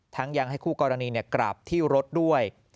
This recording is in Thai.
ยังให้คู่กรณีกราบที่รถด้วย